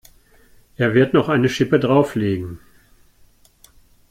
Er wird noch eine Schippe drauflegen.